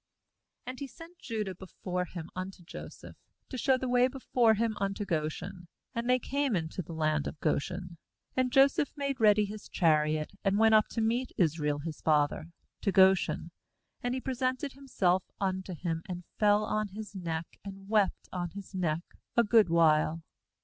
28And he sent Judah before him unto Joseph, to t show the way before him unto Goshen; and they came into the ^ land of Goshen. 29And Joseph made ready his chariot, and went up to meet Israel his father, to Goshen; and he presented himself unto him, and fell on his neck, and wept on his neck a good while.